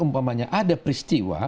umpamanya ada peristiwa